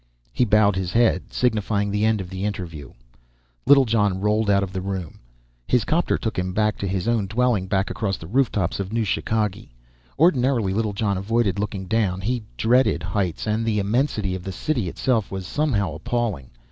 He bowed his head, signifying the end of the interview. Littlejohn rolled out of the room. His 'copter took him back to his own dwelling, back across the rooftops of New Chicagee. Ordinarily, Littlejohn avoided looking down. He dreaded heights, and the immensity of the city itself was somehow appalling.